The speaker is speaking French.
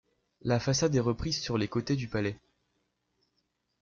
La façade est reprise sur les côtés du palais.